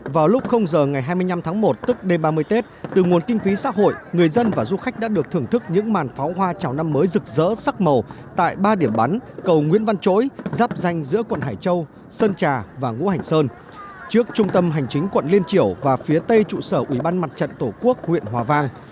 vào lúc giờ ngày hai mươi năm tháng một tức đêm ba mươi tết từ nguồn kinh phí xã hội người dân và du khách đã được thưởng thức những màn pháo hoa chào năm mới rực rỡ sắc màu tại ba điểm bắn cầu nguyễn văn chối dắp danh giữa quận hải châu sơn trà và ngũ hành sơn trước trung tâm hành chính quận liên triểu và phía tây trụ sở ủy ban mặt trận tổ quốc huyện hòa vang